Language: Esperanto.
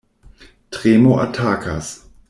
Tremo atakas.